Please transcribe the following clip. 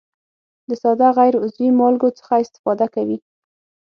د ساده غیر عضوي مالګو څخه استفاده کوي.